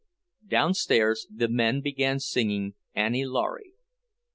Downstairs the men began singing "Annie Laurie."